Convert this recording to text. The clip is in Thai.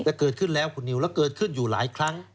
แต่เกิดขึ้นแล้วคุณนิวแล้วเกิดขึ้นอยู่หลายครั้ง